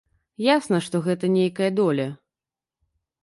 Ясна, што гэта нейкая доля.